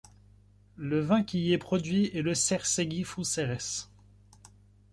Le vin qui y est produit est le Cserszegi fűszeres.